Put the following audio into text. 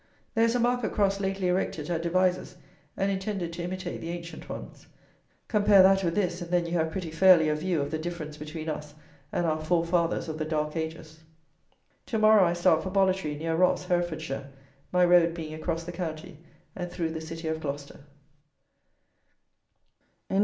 There is a market cross lately erected at Devizes, and intended to imitate the ancient ones. Compare that with this, and then you have pretty fairly a view of the difference between us and our forefathers of the "dark ages." To morrow I start for Bollitree, near Ross, Herefordshire, my road being across the county, and through the city of Gloucester.